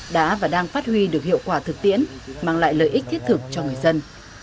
đã và đang phát huy được hiệu quả thực tiễn mang lại lợi ích thiết thực cho người dân